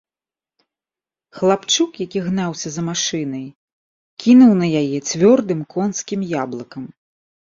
Хлапчук, які гнаўся за машынай, кінуў на яе цвёрдым конскім яблыкам.